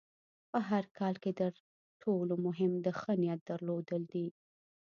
په هر کار کې د تر ټولو مهم د ښۀ نیت درلودل دي.